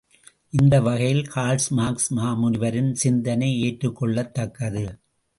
இந்தவகையில் Karl Marx மாமுனிவரின் சிந்தனை ஏற்றுக்கொள்ளத் தக்கது.